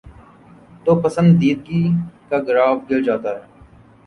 توپسندیدگی کا گراف گر جاتا ہے۔